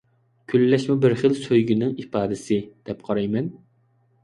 كۈنلەشمۇ بىر خىل سۆيگۈنىڭ ئىپادىسى، دەپ قارايمەن.